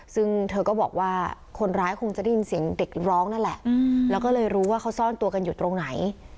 ซึ่งเธอก็บอกว่าคนร้ายคงจะได้ยินเสียงเด็กร้องนั่นแหละแล้วก็เลยรู้ว่าเขาซ่อนตัวกันอยู่ตรงไหน